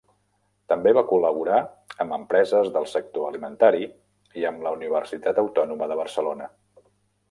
També va col·laborar amb empreses del sector alimentari i amb la Universitat Autònoma de Barcelona.